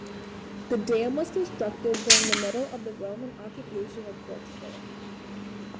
The dam was constructed during the middle of the Roman occupation of Portugal.